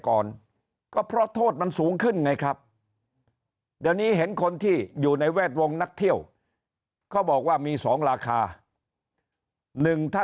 ก่อนก็พอโทษมันสูงขึ้นไงครับเดี๋ยวนี้เห็นคนที่อยู่